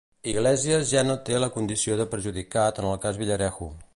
Iglesias ja no té la condició de perjudicat en el cas Villarejo.